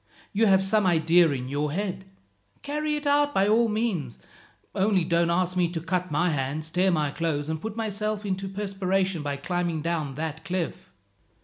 You have some idea in your head. Carry it out by all means; only don't ask me to cut my hands, tear my clothes, and put myself into a perspiration by climbing down that cliff."